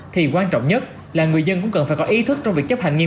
thì quan trọng nhất là người dân cũng cần phải có ý thức trong việc chấp hành nghiêm